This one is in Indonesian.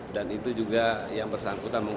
dan itu juga yang bersangkutan